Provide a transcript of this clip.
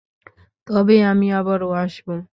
তবে, আমি আবারও আসব।